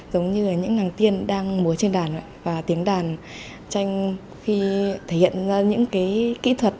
giống như là những nàng tiên đang múa trên đàn và tiếng đàn tranh khi thể hiện ra những cái kỹ thuật